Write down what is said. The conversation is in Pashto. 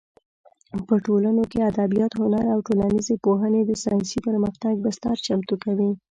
په ټولنو کې ادبیات، هنر او ټولنیزې پوهنې د ساینسي پرمختګ بستر چمتو کوي.